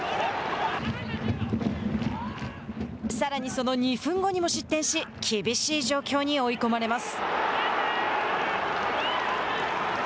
さらに、その２分後にも失点し厳しい状況に追い込まれます。